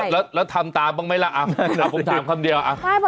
แล้วทำตาบ้างไหมล่ะผมพรีมคำสักคำนึง